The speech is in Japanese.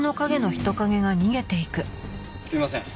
すいません。